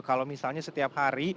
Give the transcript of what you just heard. kalau misalnya setiap hari